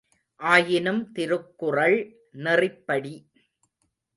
ஆயினும் திருக்குறள் நெறிப்படி.